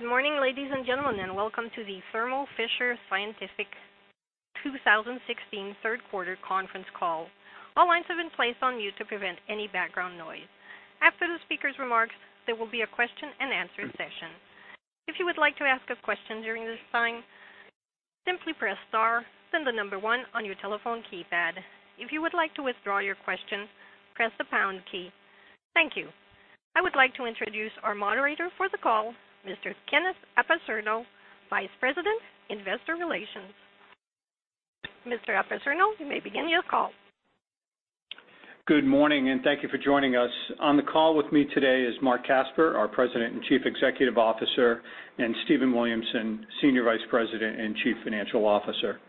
Good morning, ladies and gentlemen, welcome to the Thermo Fisher Scientific 2016 third quarter conference call. All lines have been placed on mute to prevent any background noise. After the speaker's remarks, there will be a question and answer session. If you would like to ask a question during this time, simply press star, then the number one on your telephone keypad. If you would like to withdraw your question, press the pound key. Thank you. I would like to introduce our moderator for the call, Mr. Kenneth Apicerno, Vice President, Investor Relations. Mr. Apicerno, you may begin your call. Good morning, thank you for joining us. On the call with me today is Marc Casper, our President and Chief Executive Officer, and Stephen Williamson, Senior Vice President and Chief Financial Officer.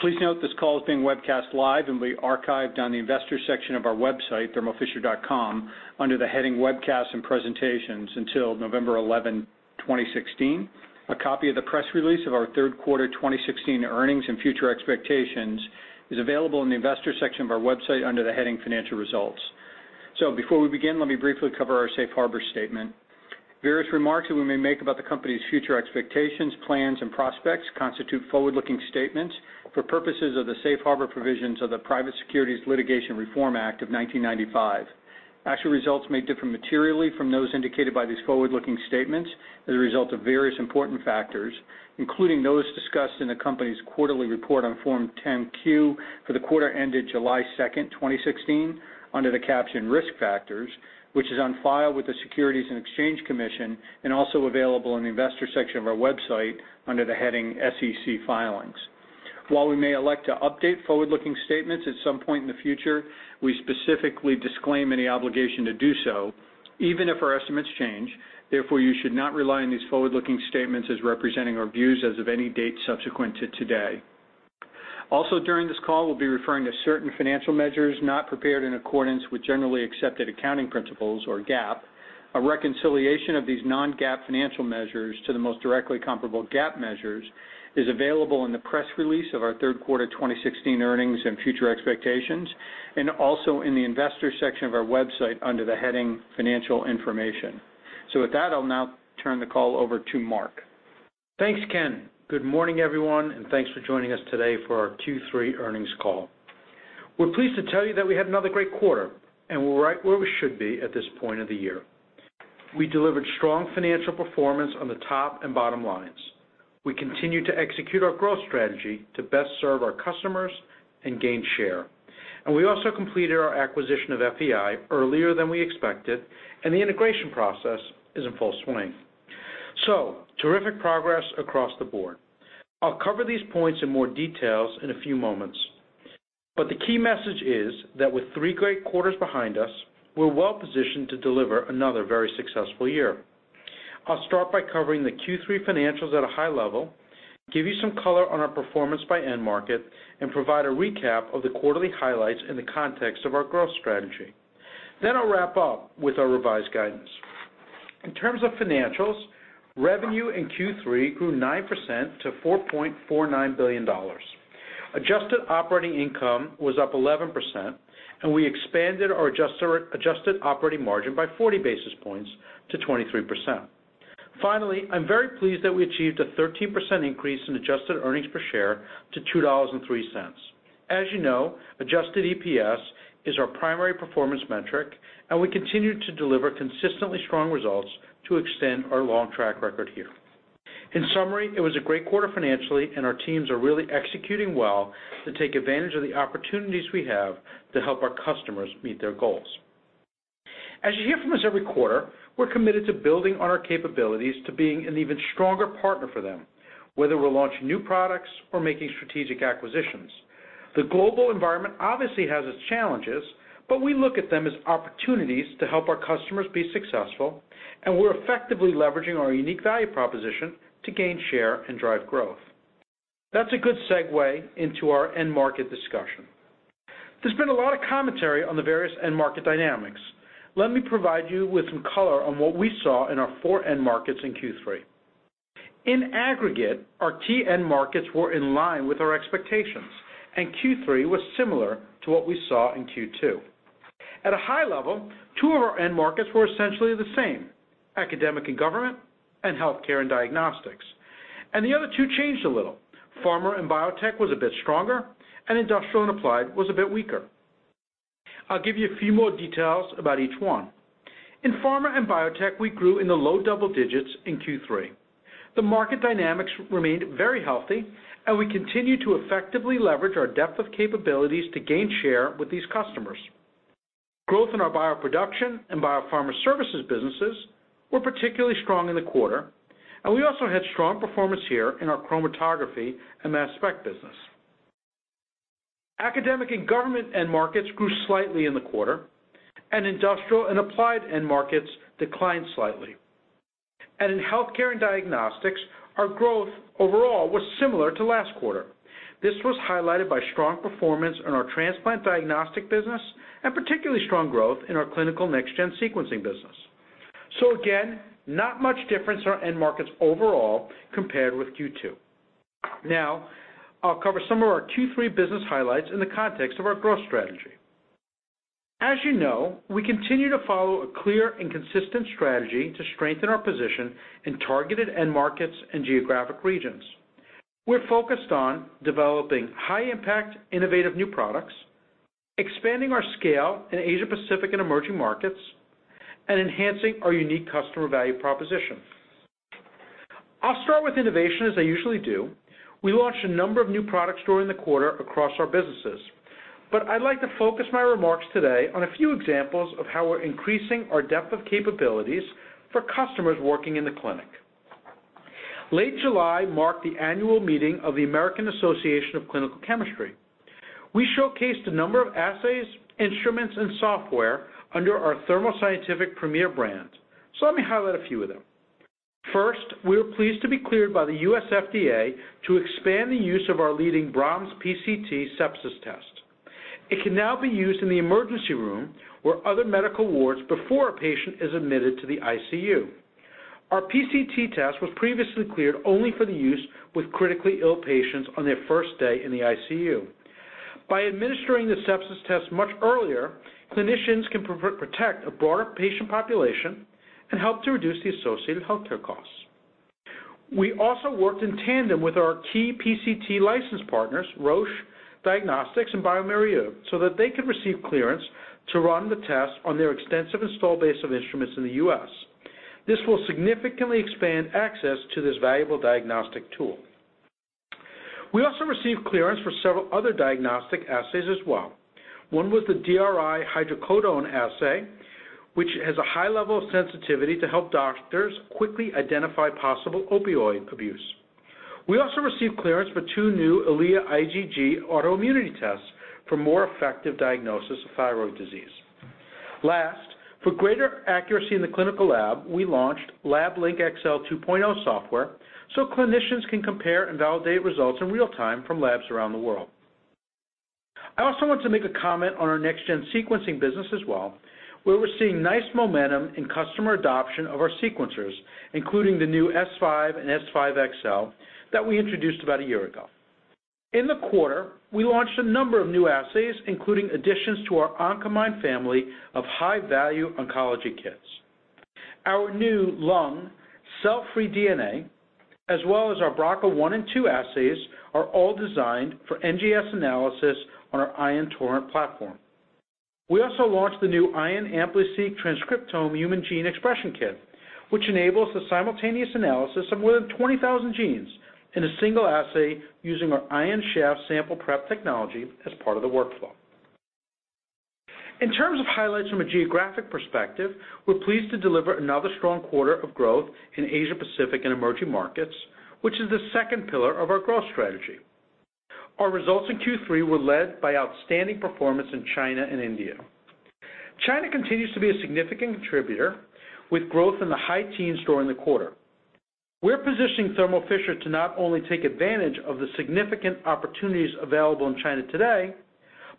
Please note this call is being webcast live and will be archived on the investors section of our website, thermofisher.com, under the heading Webcasts and Presentations until November 11, 2016. A copy of the press release of our third quarter 2016 earnings and future expectations is available in the investors section of our website under the heading Financial Results. Before we begin, let me briefly cover our safe harbor statement. Various remarks that we may make about the company's future expectations, plans, and prospects constitute forward-looking statements for purposes of the safe harbor provisions of the Private Securities Litigation Reform Act of 1995. Actual results may differ materially from those indicated by these forward-looking statements as a result of various important factors, including those discussed in the company's quarterly report on Form 10-Q for the quarter ended July 2nd, 2016, under the caption Risk Factors, which is on file with the Securities and Exchange Commission and also available in the investor section of our website under the heading SEC Filings. While we may elect to update forward-looking statements at some point in the future, we specifically disclaim any obligation to do so, even if our estimates change. Therefore, you should not rely on these forward-looking statements as representing our views as of any date subsequent to today. Also during this call, we'll be referring to certain financial measures not prepared in accordance with generally accepted accounting principles or GAAP. A reconciliation of these non-GAAP financial measures to the most directly comparable GAAP measures is available in the press release of our third quarter 2016 earnings and future expectations, and also in the investor section of our website under the heading Financial Information. With that, I'll now turn the call over to Marc. Thanks, Ken. Good morning, everyone, and thanks for joining us today for our Q3 earnings call. We're pleased to tell you that we had another great quarter, and we're right where we should be at this point of the year. We delivered strong financial performance on the top and bottom lines. We continued to execute our growth strategy to best serve our customers and gain share. We also completed our acquisition of FEI earlier than we expected, and the integration process is in full swing. Terrific progress across the board. I'll cover these points in more details in a few moments. The key message is that with three great quarters behind us, we're well positioned to deliver another very successful year. I'll start by covering the Q3 financials at a high level, give you some color on our performance by end market, and provide a recap of the quarterly highlights in the context of our growth strategy. I'll wrap up with our revised guidance. In terms of financials, revenue in Q3 grew 9% to $4.49 billion. Adjusted operating income was up 11%, and we expanded our adjusted operating margin by 40 basis points to 23%. Finally, I'm very pleased that we achieved a 13% increase in adjusted EPS to $2.03. As you know, adjusted EPS is our primary performance metric, and we continue to deliver consistently strong results to extend our long track record here. In summary, it was a great quarter financially, and our teams are really executing well to take advantage of the opportunities we have to help our customers meet their goals. As you hear from us every quarter, we're committed to building on our capabilities to being an even stronger partner for them, whether we're launching new products or making strategic acquisitions. The global environment obviously has its challenges, but we look at them as opportunities to help our customers be successful, and we're effectively leveraging our unique value proposition to gain share and drive growth. That's a good segue into our end market discussion. There's been a lot of commentary on the various end market dynamics. Let me provide you with some color on what we saw in our four end markets in Q3. In aggregate, our key end markets were in line with our expectations, and Q3 was similar to what we saw in Q2. At a high level, two of our end markets were essentially the same, academic and government and healthcare and diagnostics. The other two changed a little. Pharma and biotech was a bit stronger, and industrial and applied was a bit weaker. I'll give you a few more details about each one. In pharma and biotech, we grew in the low double digits in Q3. The market dynamics remained very healthy, and we continue to effectively leverage our depth of capabilities to gain share with these customers. Growth in our bioproduction and biopharma services businesses were particularly strong in the quarter, and we also had strong performance here in our chromatography and mass spec business. Academic and government end markets grew slightly in the quarter, and industrial and applied end markets declined slightly. In healthcare and diagnostics, our growth overall was similar to last quarter. This was highlighted by strong performance in our transplant diagnostic business and particularly strong growth in our clinical next-gen sequencing business. Again, not much difference in our end markets overall compared with Q2. I'll cover some of our Q3 business highlights in the context of our growth strategy. As you know, we continue to follow a clear and consistent strategy to strengthen our position in targeted end markets and geographic regions. We're focused on developing high-impact, innovative new products, expanding our scale in Asia-Pacific and emerging markets, and enhancing our unique customer value proposition. I'll start with innovation, as I usually do. We launched a number of new products during the quarter across our businesses, but I'd like to focus my remarks today on a few examples of how we're increasing our depth of capabilities for customers working in the clinic. Late July marked the annual meeting of the American Association for Clinical Chemistry. We showcased a number of assays, instruments, and software under our Thermo Scientific premier brand. Let me highlight a few of them. First, we were pleased to be cleared by the US FDA to expand the use of our leading B·R·A·H·M·S PCT sepsis test. It can now be used in the emergency room or other medical wards before a patient is admitted to the ICU. Our PCT test was previously cleared only for the use with critically ill patients on their first day in the ICU. By administering the sepsis test much earlier, clinicians can protect a broader patient population and help to reduce the associated healthcare costs. We also worked in tandem with our key PCT license partners, Roche Diagnostics and bioMérieux, so that they could receive clearance to run the test on their extensive install base of instruments in the U.S. This will significantly expand access to this valuable diagnostic tool. We also received clearance for several other diagnostic assays as well. One was the DRI Hydrocodone assay, which has a high level of sensitivity to help doctors quickly identify possible opioid abuse. We also received clearance for two new EliA IgG autoimmunity tests for more effective diagnosis of thyroid disease. Last, for greater accuracy in the clinical lab, we launched LabLink xL 2.0 software so clinicians can compare and validate results in real time from labs around the world. I also want to make a comment on our next-gen sequencing business as well, where we're seeing nice momentum in customer adoption of our sequencers, including the new S5 and S5 XL that we introduced about a year ago. In the quarter, we launched a number of new assays, including additions to our Oncomine family of high-value oncology kits. Our new lung, cell-free DNA, as well as our BRCA1 and 2 assays, are all designed for NGS analysis on our Ion Torrent platform. We also launched the new Ion AmpliSeq Transcriptome human gene expression kit, which enables the simultaneous analysis of more than 20,000 genes in a single assay using our Ion Chef sample prep technology as part of the workflow. In terms of highlights from a geographic perspective, we're pleased to deliver another strong quarter of growth in Asia-Pacific and emerging markets, which is the second pillar of our growth strategy. Our results in Q3 were led by outstanding performance in China and India. China continues to be a significant contributor, with growth in the high teens during the quarter. We're positioning Thermo Fisher to not only take advantage of the significant opportunities available in China today,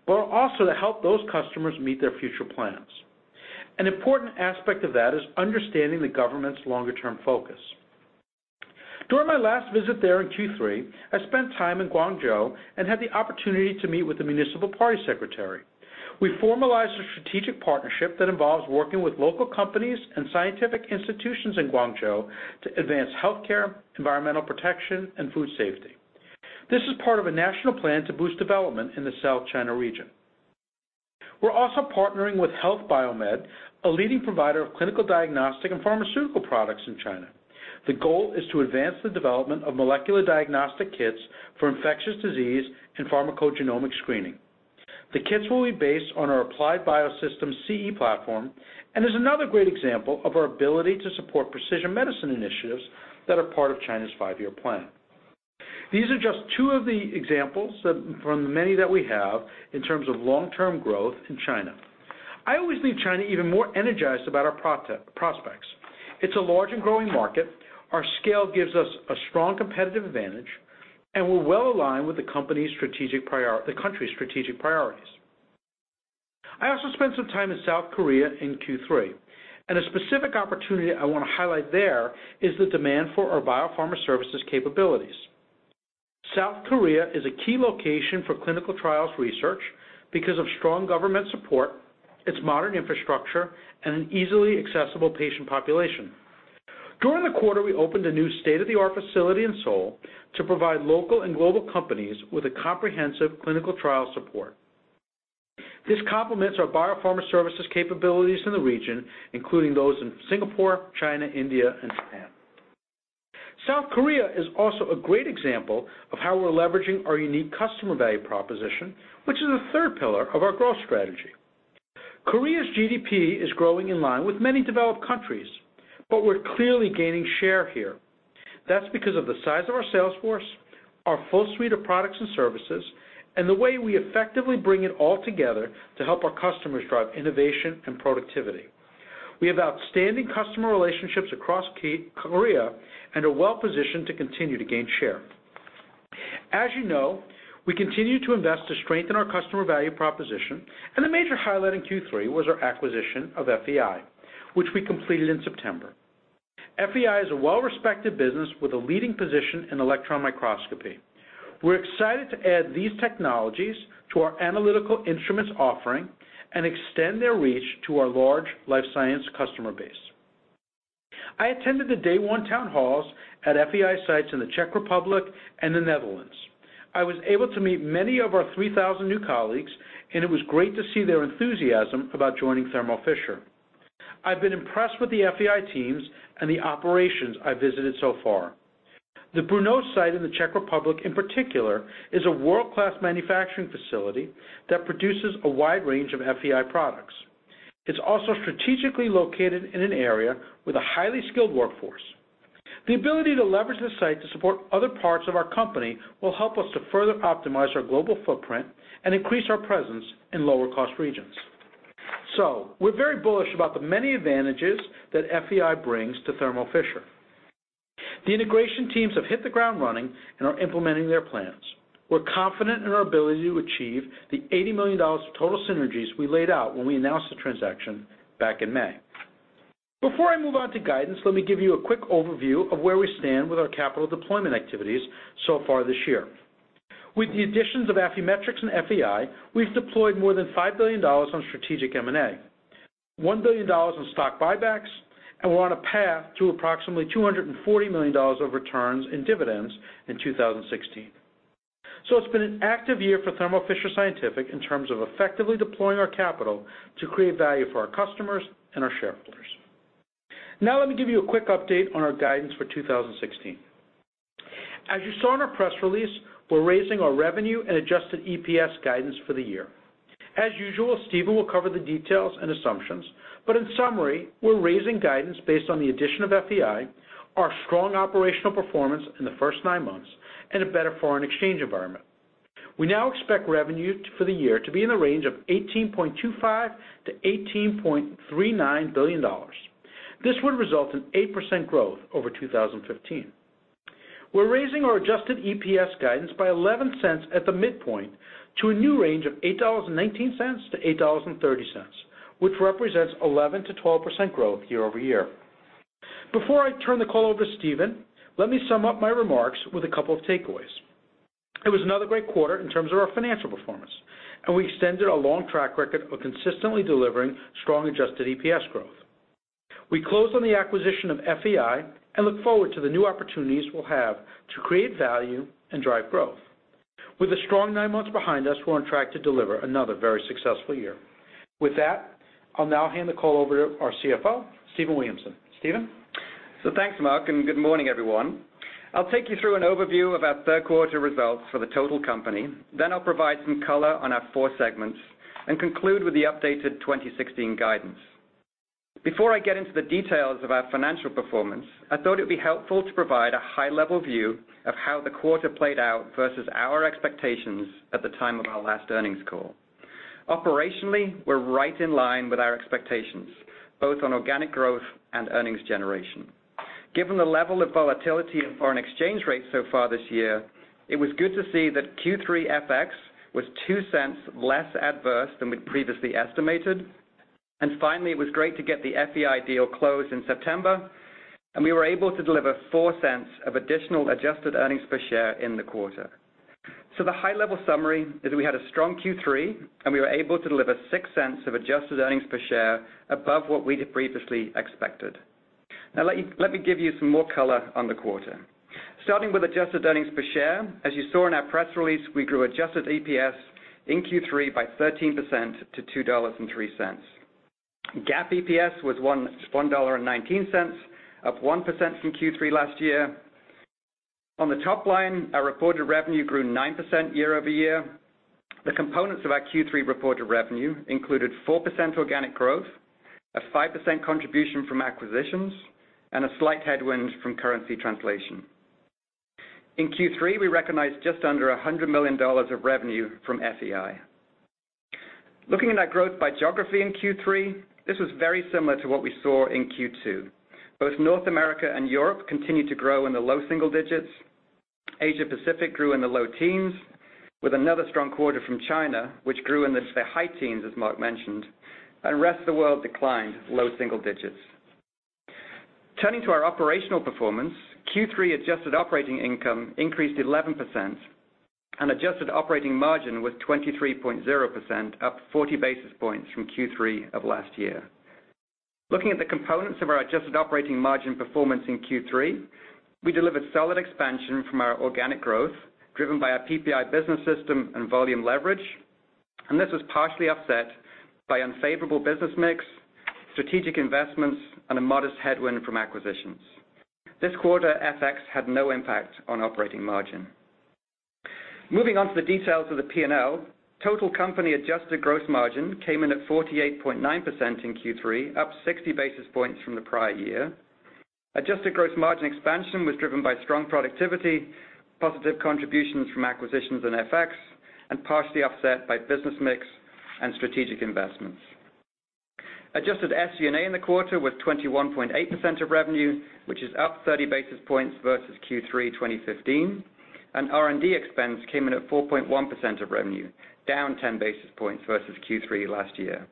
but also to help those customers meet their future plans. An important aspect of that is understanding the government's longer-term focus. During my last visit there in Q3, I spent time in Guangzhou and had the opportunity to meet with the municipal party secretary. We formalized a strategic partnership that involves working with local companies and scientific institutions in Guangzhou to advance healthcare, environmental protection, and food safety. This is part of a national plan to boost development in the South China region. We're also partnering with HEALTH BioMed, a leading provider of clinical diagnostic and pharmaceutical products in China. The goal is to advance the development of molecular diagnostic kits for infectious disease and pharmacogenomic screening. The kits will be based on our Applied Biosystems CE platform and is another great example of our ability to support precision medicine initiatives that are part of China's five-year plan. These are just two of the examples from the many that we have in terms of long-term growth in China. I always leave China even more energized about our prospects. It's a large and growing market, our scale gives us a strong competitive advantage, and we're well-aligned with the country's strategic priorities. I also spent some time in South Korea in Q3, and a specific opportunity I want to highlight there is the demand for our biopharma services capabilities. South Korea is a key location for clinical trials research because of strong government support, its modern infrastructure, and an easily accessible patient population. During the quarter, we opened a new state-of-the-art facility in Seoul to provide local and global companies with a comprehensive clinical trial support. This complements our biopharma services capabilities in the region, including those in Singapore, China, India, and Japan. South Korea is also a great example of how we're leveraging our unique customer value proposition, which is the third pillar of our growth strategy. Korea's GDP is growing in line with many developed countries, but we're clearly gaining share here. That's because of the size of our sales force, our full suite of products and services, and the way we effectively bring it all together to help our customers drive innovation and productivity. We have outstanding customer relationships across Korea and are well-positioned to continue to gain share. As you know, we continue to invest to strengthen our customer value proposition, and the major highlight in Q3 was our acquisition of FEI, which we completed in September. FEI is a well-respected business with a leading position in electron microscopy. We're excited to add these technologies to our Analytical Instruments offering and extend their reach to our large life science customer base. I attended the day one town halls at FEI sites in the Czech Republic and the Netherlands. I was able to meet many of our 3,000 new colleagues, and it was great to see their enthusiasm about joining Thermo Fisher. I've been impressed with the FEI teams and the operations I've visited so far. The Brno site in the Czech Republic, in particular, is a world-class manufacturing facility that produces a wide range of FEI products. It's also strategically located in an area with a highly skilled workforce. The ability to leverage the site to support other parts of our company will help us to further optimize our global footprint and increase our presence in lower-cost regions. We're very bullish about the many advantages that FEI brings to Thermo Fisher. The integration teams have hit the ground running and are implementing their plans. We're confident in our ability to achieve the $80 million of total synergies we laid out when we announced the transaction back in May. Before I move on to guidance, let me give you a quick overview of where we stand with our capital deployment activities so far this year. With the additions of Affymetrix and FEI, we've deployed more than $5 billion on strategic M&A, $1 billion on stock buybacks, and we're on a path to approximately $240 million of returns in dividends in 2016. It's been an active year for Thermo Fisher Scientific in terms of effectively deploying our capital to create value for our customers and our shareholders. Now, let me give you a quick update on our guidance for 2016. As you saw in our press release, we're raising our revenue and adjusted EPS guidance for the year. As usual, Stephen will cover the details and assumptions, in summary, we're raising guidance based on the addition of FEI, our strong operational performance in the first nine months, and a better foreign exchange environment. We now expect revenue for the year to be in the range of $18.25 billion-$18.39 billion. This would result in 8% growth over 2015. We're raising our adjusted EPS guidance by $0.11 at the midpoint to a new range of $8.19-$8.30, which represents 11%-12% growth year-over-year. Before I turn the call over to Stephen, let me sum up my remarks with a couple of takeaways. It was another great quarter in terms of our financial performance, we extended a long track record of consistently delivering strong adjusted EPS growth. We closed on the acquisition of FEI and look forward to the new opportunities we'll have to create value and drive growth. With a strong nine months behind us, we're on track to deliver another very successful year. With that, I'll now hand the call over to our CFO, Stephen Williamson. Stephen? Thanks, Marc, good morning, everyone. I'll take you through an overview of our third quarter results for the total company, then I'll provide some color on our four segments and conclude with the updated 2016 guidance. Before I get into the details of our financial performance, I thought it'd be helpful to provide a high-level view of how the quarter played out versus our expectations at the time of our last earnings call. Operationally, we're right in line with our expectations, both on organic growth and earnings generation. Given the level of volatility in foreign exchange rates so far this year, it was good to see that Q3 FX was $0.02 less adverse than we'd previously estimated, finally, it was great to get the FEI deal closed in September, we were able to deliver $0.04 of additional adjusted earnings per share in the quarter. The high-level summary is we had a strong Q3, and we were able to deliver $0.06 of adjusted earnings per share above what we had previously expected. Let me give you some more color on the quarter. Starting with adjusted earnings per share, as you saw in our press release, we grew adjusted EPS in Q3 by 13% to $2.03. GAAP EPS was $1.19, up 1% from Q3 last year. On the top line, our reported revenue grew 9% year-over-year. The components of our Q3 reported revenue included 4% organic growth, a 5% contribution from acquisitions, and a slight headwind from currency translation. In Q3, we recognized just under $100 million of revenue from FEI. Looking at our growth by geography in Q3, this was very similar to what we saw in Q2. Both North America and Europe continued to grow in the low single digits. Asia-Pacific grew in the low teens with another strong quarter from China, which grew in the high teens, as Marc mentioned. Rest of the world declined low single digits. Turning to our operational performance, Q3 adjusted operating income increased 11%, and adjusted operating margin was 23.0%, up 40 basis points from Q3 of last year. Looking at the components of our adjusted operating margin performance in Q3, we delivered solid expansion from our organic growth, driven by our PPI Business System and volume leverage. This was partially offset by unfavorable business mix, strategic investments, and a modest headwind from acquisitions. This quarter, FX had no impact on operating margin. Moving on to the details of the P&L, total company adjusted gross margin came in at 48.9% in Q3, up 60 basis points from the prior year. Adjusted gross margin expansion was driven by strong productivity, positive contributions from acquisitions and FX. Partially offset by business mix and strategic investments. Adjusted SG&A in the quarter was 21.8% of revenue, which is up 30 basis points versus Q3 2015. R&D expense came in at 4.1% of revenue, down 10 basis points versus Q3 last year.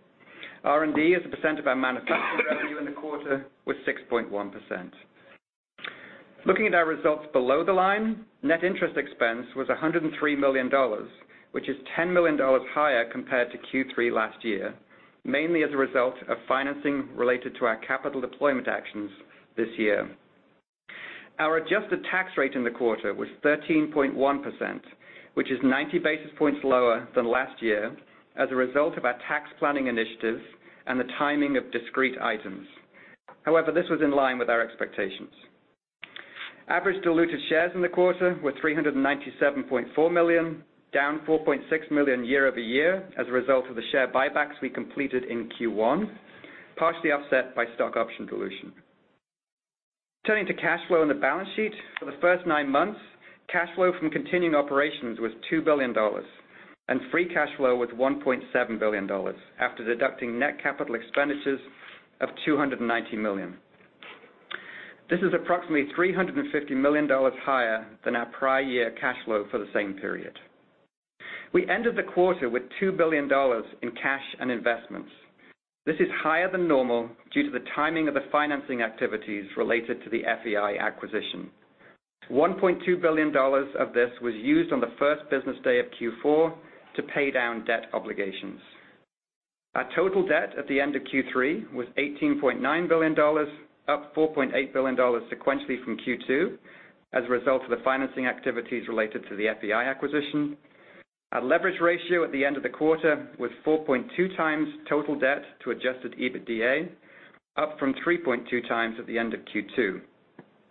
R&D as a percent of our manufacturing revenue in the quarter was 6.1%. Looking at our results below the line, net interest expense was $103 million, which is $10 million higher compared to Q3 last year, mainly as a result of financing related to our capital deployment actions this year. Our adjusted tax rate in the quarter was 13.1%, which is 90 basis points lower than last year as a result of our tax planning initiatives and the timing of discrete items. This was in line with our expectations. Average diluted shares in the quarter were 397.4 million, down 4.6 million year-over-year as a result of the share buybacks we completed in Q1, partially offset by stock option dilution. Turning to cash flow in the balance sheet. For the first nine months, cash flow from continuing operations was $2 billion, and free cash flow was $1.7 billion, after deducting net capital expenditures of $290 million. This is approximately $350 million higher than our prior year cash flow for the same period. We ended the quarter with $2 billion in cash and investments. This is higher than normal due to the timing of the financing activities related to the FEI acquisition. $1.2 billion of this was used on the first business day of Q4 to pay down debt obligations. Our total debt at the end of Q3 was $18.9 billion, up $4.8 billion sequentially from Q2, as a result of the financing activities related to the FEI acquisition. Our leverage ratio at the end of the quarter was 4.2 times total debt to adjusted EBITDA, up from 3.2 times at the end of Q2.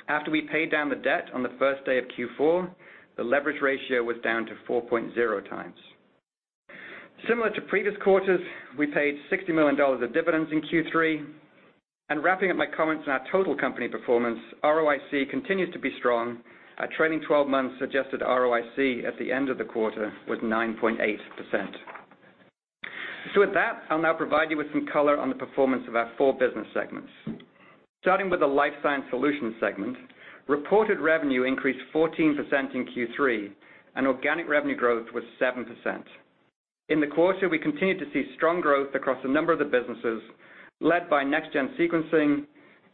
After we paid down the debt on the first day of Q4, the leverage ratio was down to 4.0 times. Similar to previous quarters, we paid $60 million of dividends in Q3. Wrapping up my comments on our total company performance, ROIC continues to be strong. Our trailing 12 months adjusted ROIC at the end of the quarter was 9.8%. With that, I'll now provide you with some color on the performance of our four business segments. Starting with the Life Sciences Solutions segment, reported revenue increased 14% in Q3, and organic revenue growth was 7%. In the quarter, we continued to see strong growth across a number of the businesses, led by next-gen sequencing,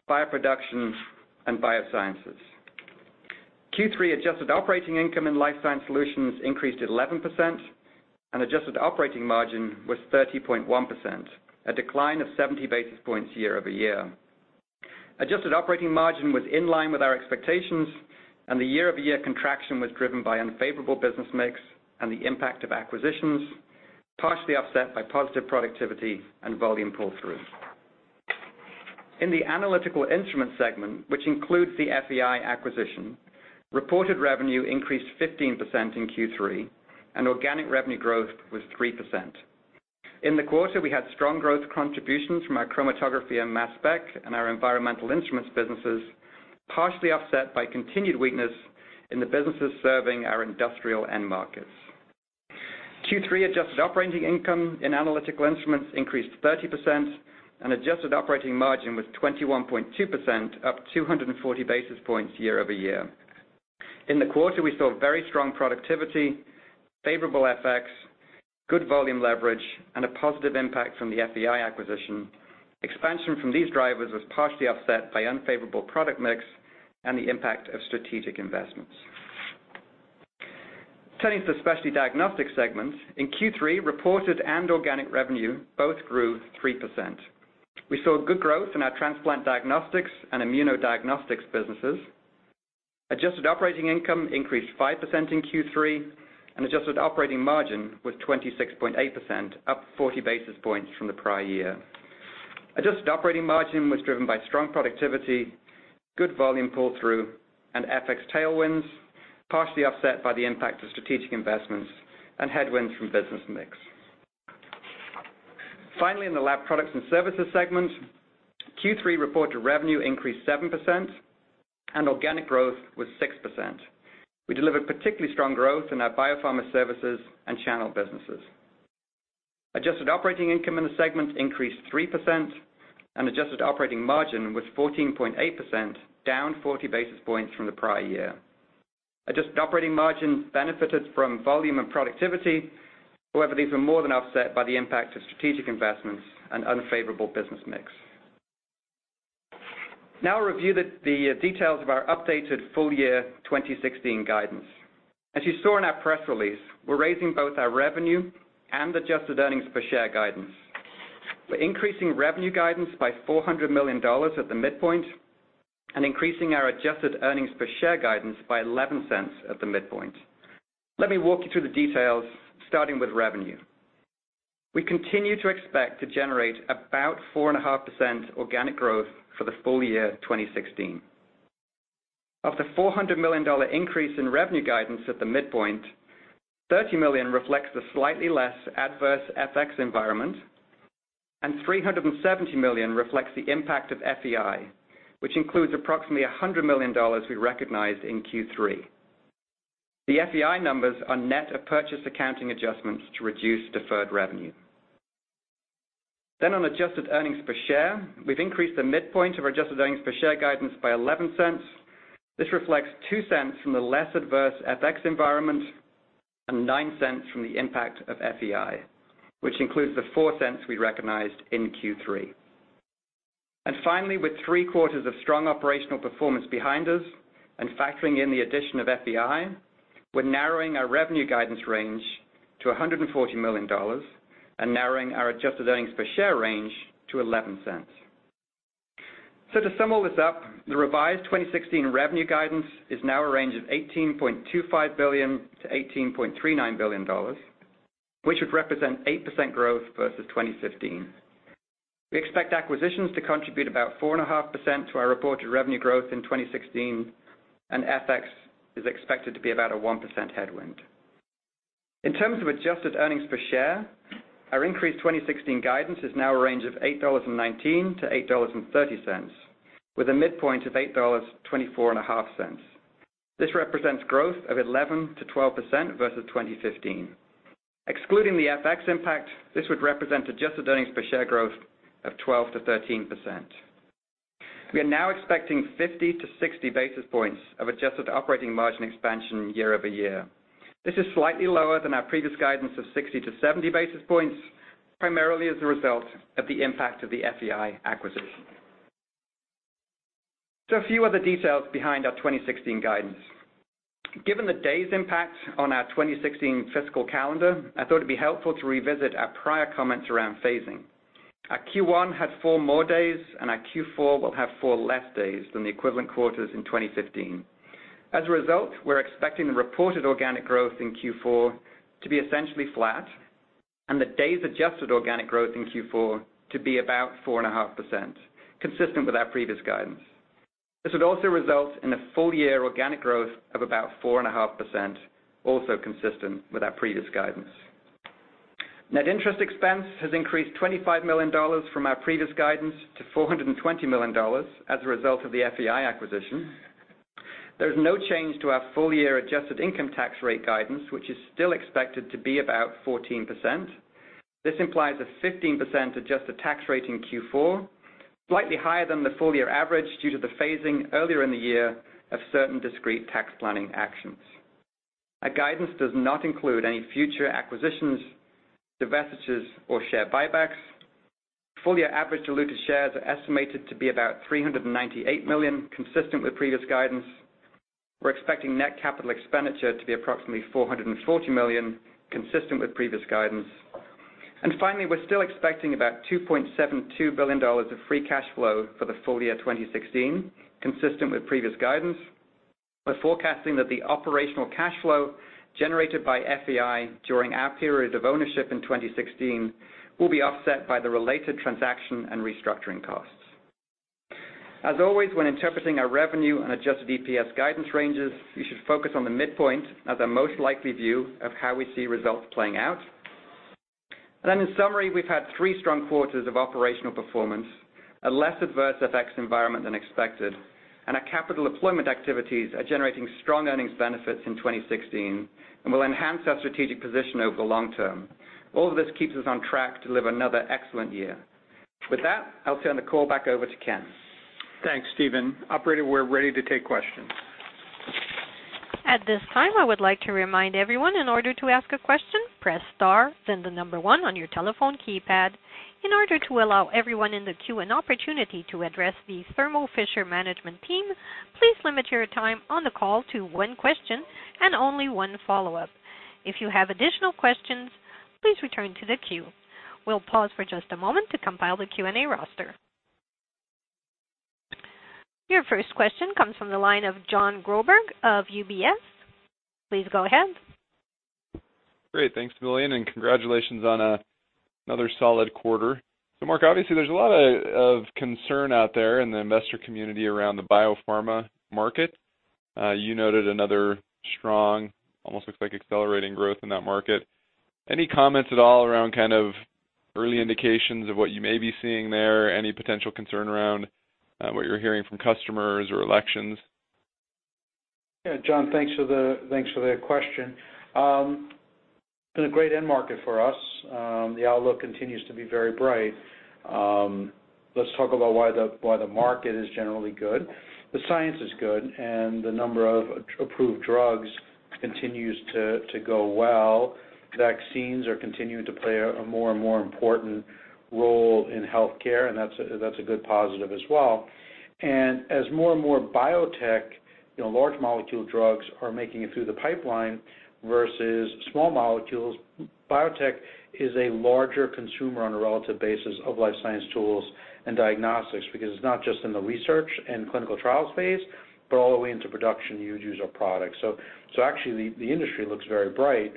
bioproduction, and biosciences. Q3 adjusted operating income in Life Sciences Solutions increased 11%, and adjusted operating margin was 30.1%, a decline of 70 basis points year-over-year. Adjusted operating margin was in line with our expectations, and the year-over-year contraction was driven by unfavorable business mix and the impact of acquisitions, partially offset by positive productivity and volume pull-through. In the Analytical Instruments segment, which includes the FEI acquisition, reported revenue increased 15% in Q3, and organic revenue growth was 3%. In the quarter, we had strong growth contributions from our chromatography and mass spec and our environmental instruments businesses, partially offset by continued weakness in the businesses serving our industrial end markets. Q3 adjusted operating income in Analytical Instruments increased 30%, and adjusted operating margin was 21.2%, up 240 basis points year-over-year. In the quarter, we saw very strong productivity, favorable FX, good volume leverage, and a positive impact from the FEI acquisition. Expansion from these drivers was partially offset by unfavorable product mix and the impact of strategic investments. Turning to the Specialty Diagnostics segment. In Q3, reported and organic revenue both grew 3%. We saw good growth in our transplant diagnostics and immunodiagnostics businesses. Adjusted operating income increased 5% in Q3, and adjusted operating margin was 26.8%, up 40 basis points from the prior year. Adjusted operating margin was driven by strong productivity, good volume pull-through, and FX tailwinds, partially offset by the impact of strategic investments and headwinds from business mix. Finally, in the Laboratory Products and Services segment, Q3 reported revenue increased 7%, and organic growth was 6%. We delivered particularly strong growth in our biopharma services and channel businesses. Adjusted operating income in the segment increased 3%, and adjusted operating margin was 14.8%, down 40 basis points from the prior year. Adjusted operating margin benefited from volume and productivity. However, these were more than offset by the impact of strategic investments and unfavorable business mix. Now I'll review the details of our updated full year 2016 guidance. As you saw in our press release, we're raising both our revenue and adjusted earnings per share guidance. We're increasing revenue guidance by $400 million at the midpoint and increasing our adjusted earnings per share guidance by $0.11 at the midpoint. Let me walk you through the details, starting with revenue. We continue to expect to generate about 4.5% organic growth for the full year 2016. Of the $400 million increase in revenue guidance at the midpoint, $30 million reflects the slightly less adverse FX environment, and $370 million reflects the impact of FEI, which includes approximately $100 million we recognized in Q3. The FEI numbers are net of purchase accounting adjustments to reduce deferred revenue. On adjusted earnings per share, we've increased the midpoint of our adjusted earnings per share guidance by $0.11. This reflects $0.02 from the less adverse FX environment and $0.09 from the impact of FEI, which includes the $0.04 we recognized in Q3. Finally, with three quarters of strong operational performance behind us and factoring in the addition of FEI, we're narrowing our revenue guidance range to $140 million and narrowing our adjusted earnings per share range to $0.11. To sum all this up, the revised 2016 revenue guidance is now a range of $18.25 billion to $18.39 billion, which would represent 8% growth versus 2015. We expect acquisitions to contribute about 4.5% to our reported revenue growth in 2016, FX is expected to be about a 1% headwind. In terms of adjusted earnings per share, our increased 2016 guidance is now a range of $8.19 to $8.30, with a midpoint of $8.245. This represents growth of 11% to 12% versus 2015. Excluding the FX impact, this would represent adjusted earnings per share growth of 12% to 13%. We are now expecting 50 to 60 basis points of adjusted operating margin expansion year-over-year. This is slightly lower than our previous guidance of 60 to 70 basis points, primarily as a result of the impact of the FEI acquisition. A few other details behind our 2016 guidance. Given the day's impact on our 2016 fiscal calendar, I thought it'd be helpful to revisit our prior comments around phasing. Our Q1 had four more days, our Q4 will have four less days than the equivalent quarters in 2015. As a result, we're expecting the reported organic growth in Q4 to be essentially flat, the days adjusted organic growth in Q4 to be about 4.5%, consistent with our previous guidance. This would also result in a full-year organic growth of about 4.5%, also consistent with our previous guidance. Net interest expense has increased $25 million from our previous guidance to $420 million as a result of the FEI acquisition. There's no change to our full-year adjusted income tax rate guidance, which is still expected to be about 14%. This implies a 15% adjusted tax rate in Q4, slightly higher than the full-year average due to the phasing earlier in the year of certain discrete tax planning actions. Our guidance does not include any future acquisitions, divestitures, or share buybacks. Full-year average diluted shares are estimated to be about 398 million, consistent with previous guidance. We're expecting net capital expenditure to be approximately $440 million, consistent with previous guidance. Finally, we're still expecting about $2.72 billion of free cash flow for the full year 2016, consistent with previous guidance. We're forecasting that the operational cash flow generated by FEI during our period of ownership in 2016 will be offset by the related transaction and restructuring costs. As always, when interpreting our revenue and adjusted EPS guidance ranges, you should focus on the midpoint as our most likely view of how we see results playing out. In summary, we've had three strong quarters of operational performance, a less adverse FX environment than expected, and our capital deployment activities are generating strong earnings benefits in 2016 and will enhance our strategic position over the long term. All of this keeps us on track to deliver another excellent year. With that, I'll turn the call back over to Ken. Thanks, Stephen. Operator, we're ready to take questions. At this time, I would like to remind everyone, in order to ask a question, press star, then the number 1 on your telephone keypad. In order to allow everyone in the queue an opportunity to address the Thermo Fisher management team, please limit your time on the call to one question and only one follow-up. If you have additional questions, please return to the queue. We'll pause for just a moment to compile the Q&A roster. Your first question comes from the line of Jon Groberg of UBS. Please go ahead. Great. Thanks, Lillian. Congratulations on another solid quarter. Marc, obviously there's a lot of concern out there in the investor community around the biopharma market. You noted another strong, almost looks like accelerating growth in that market. Any comments at all around kind of early indications of what you may be seeing there? Any potential concern around what you're hearing from customers or elections? Jon, thanks for the question. It's been a great end market for us. The outlook continues to be very bright. Let's talk about why the market is generally good. The science is good, and the number of approved drugs continues to go well. Vaccines are continuing to play a more and more important role in healthcare, and that's a good positive as well. As more and more biotech large molecule drugs are making it through the pipeline versus small molecules, biotech is a larger consumer on a relative basis of life science tools and diagnostics, because it's not just in the research and clinical trial space, but all the way into production, you would use our products. Actually, the industry looks very bright.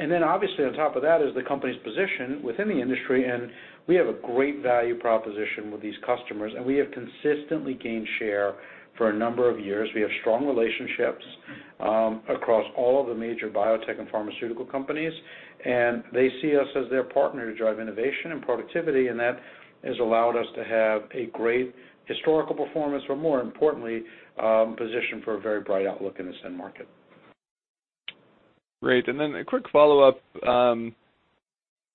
Obviously on top of that is the company's position within the industry, and we have a great value proposition with these customers, and we have consistently gained share for a number of years. We have strong relationships across all of the major biotech and pharmaceutical companies, and they see us as their partner to drive innovation and productivity, and that has allowed us to have a great historical performance, but more importantly, positioned for a very bright outlook in this end market. Great. A quick follow-up,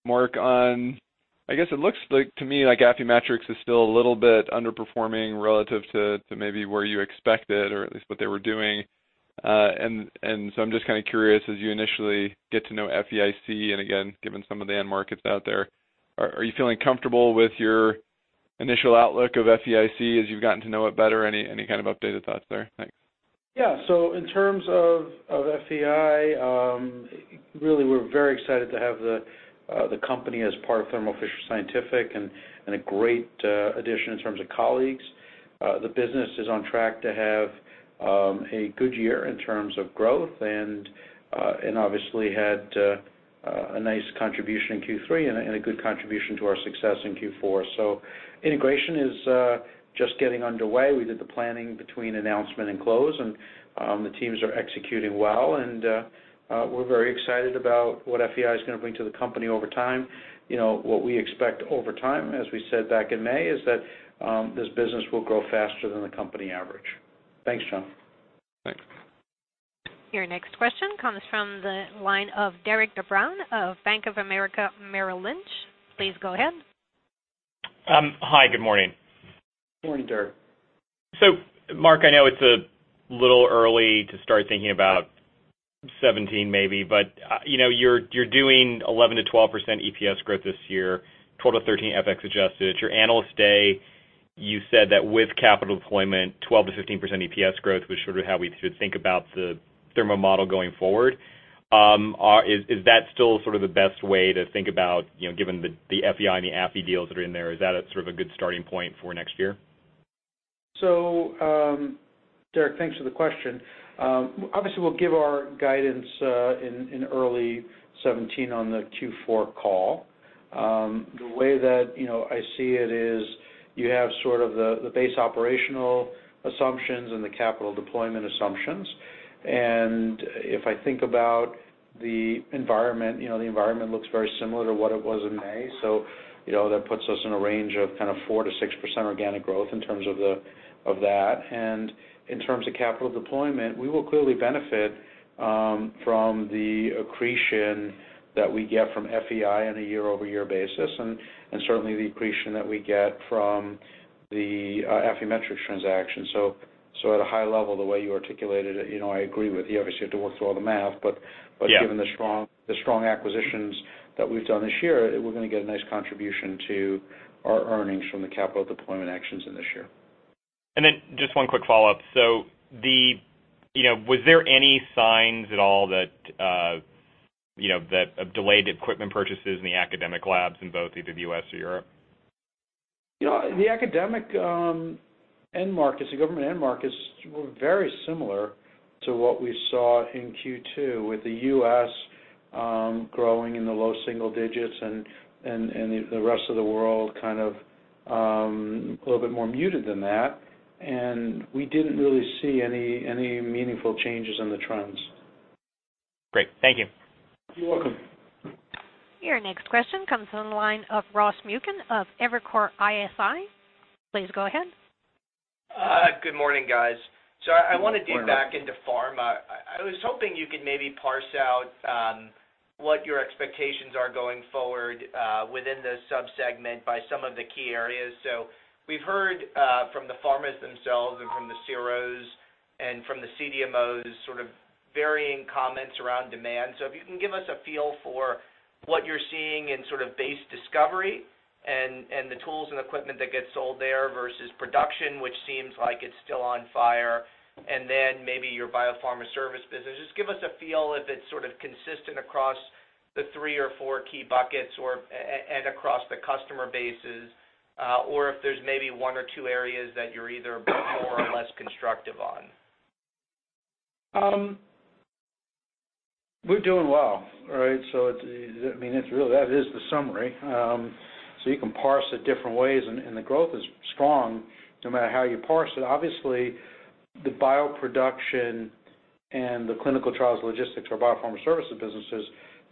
Marc, on, I guess it looks like to me like Affymetrix is still a little bit underperforming relative to maybe where you expected or at least what they were doing. I'm just kind of curious, as you initially get to know FEI, and again, given some of the end markets out there, are you feeling comfortable with your initial outlook of FEI as you've gotten to know it better? Any kind of updated thoughts there? Thanks. Yeah. In terms of FEI, really, we're very excited to have the company as part of Thermo Fisher Scientific, and a great addition in terms of colleagues. The business is on track to have a good year in terms of growth, and obviously had a nice contribution in Q3 and a good contribution to our success in Q4. Integration is just getting underway. We did the planning between announcement and close, and the teams are executing well, and we're very excited about what FEI is going to bring to the company over time. What we expect over time, as we said back in May, is that this business will grow faster than the company average. Thanks, Jon. Thanks. Your next question comes from the line of Derik De Bruin of Bank of America Merrill Lynch. Please go ahead. Hi, good morning. Morning, Derik. Mark, I know it's a little early to start thinking about 2017, maybe, but you're doing 11%-12% EPS growth this year, 12%-13% FX adjusted. At your Analyst Day, you said that with capital deployment, 12%-15% EPS growth was sort of how we should think about the Thermo model going forward. Is that still sort of the best way to think about, given the FEI and the Affy deals that are in there, is that a good starting point for next year? Derik, thanks for the question. Obviously, we'll give our guidance in early 2017 on the Q4 call. The way that I see it is you have sort of the base operational assumptions and the capital deployment assumptions. If I think about the environment, the environment looks very similar to what it was in May. That puts us in a range of kind of 4% to 6% organic growth in terms of that. In terms of capital deployment, we will clearly benefit from the accretion that we get from FEI on a year-over-year basis, and certainly the accretion that we get from the Affymetrix transaction. At a high level, the way you articulated it, I agree with you. Obviously, you have to work through all the math. Yeah Given the strong acquisitions that we've done this year, we're going to get a nice contribution to our earnings from the capital deployment actions in this year. Just one quick follow-up. Was there any signs at all of delayed equipment purchases in the academic labs in both either the U.S. or Europe? The academic end markets, the government end markets, were very similar to what we saw in Q2, with the U.S. growing in the low single digits and the rest of the world kind of a little bit more muted than that. We didn't really see any meaningful changes in the trends. Great. Thank you. You're welcome. Your next question comes on the line of Ross Muken of Evercore ISI. Please go ahead. Good morning, guys. Good morning. I want to dig back into pharma. I was hoping you could maybe parse out what your expectations are going forward within the sub-segment by some of the key areas. We've heard from the pharmas themselves and from the CROs and from the CDMOs sort of varying comments around demand. If you can give us a feel for what you're seeing in sort of base discovery and the tools and equipment that get sold there versus production, which seems like it's still on fire, and then maybe your biopharma service business. Just give us a feel if it's sort of consistent across the three or four key buckets and across the customer bases, or if there's maybe one or two areas that you're either more or less constructive on. We're doing well. That is the summary. You can parse it different ways, and the growth is strong no matter how you parse it. Obviously, the bioproduction and the clinical trials logistics or biopharma services businesses